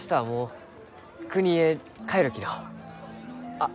あっ！